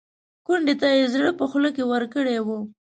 کونډې ته یې زړه په خوله کې ورکړی و.